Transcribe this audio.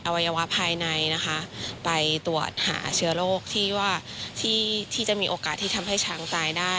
วัยวะภายในนะคะไปตรวจหาเชื้อโรคที่ว่าที่จะมีโอกาสที่ทำให้ช้างตายได้